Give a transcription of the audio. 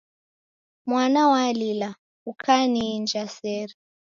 Mwana walila, ukaniinja sere.